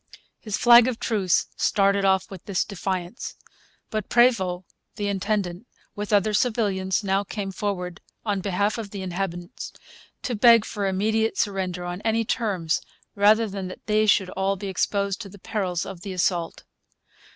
His flag of truce started off with this defiance. But Prevost the intendant, with other civilians, now came forward, on behalf of the inhabitants, to beg for immediate surrender on any terms, rather than that they should all be exposed to the perils of assault.